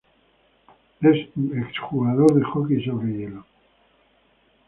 Es un ex-jugador de jockey sobre hielo.